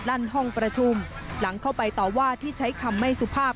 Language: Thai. ลั่นห้องประชุมหลังเข้าไปต่อว่าที่ใช้คำไม่สุภาพ